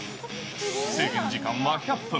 制限時間は１００分。